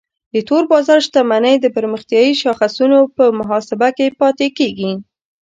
د تور بازار شتمنۍ د پرمختیایي شاخصونو په محاسبه کې پاتې کیږي.